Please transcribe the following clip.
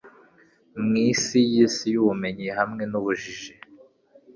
Mwisi yisi yubumenyi hamwe nubujiji